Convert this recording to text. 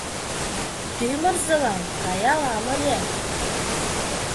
Тӱмырзылан каялам ыле.